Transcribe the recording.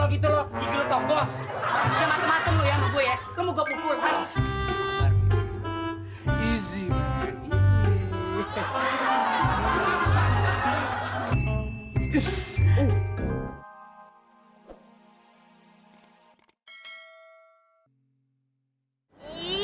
gitu loh gitu toko semacam macam lo yang gue kamu gue pukul hai gizi gizi